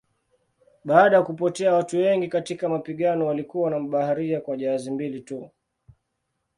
Baada ya kupotea watu wengi katika mapigano walikuwa na mabaharia kwa jahazi mbili tu.